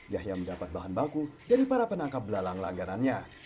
yahya mendapat bahan baku dari para penangkap belalang langganannya